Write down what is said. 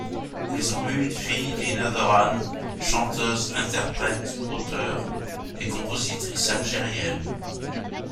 Ils ont eu une fille, Lina Doran, chanteuse, interprète, auteure et compositrice algérienne.